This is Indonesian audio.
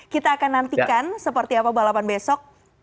kita akan nantikan seperti apa balapan besok